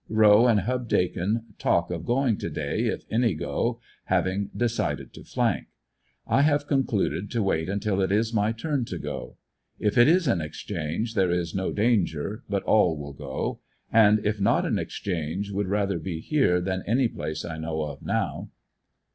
Rowe and Hub Dakin talk of going to day, if any go, hav ing decided to flank. I have concluded to wait until it is my turn to go. If it is an exchange there is no danger but all will go, and if not an exchange would rather be here than any place I know of now.